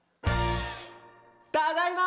ただいま！